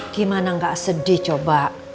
gimana enggak sedih coba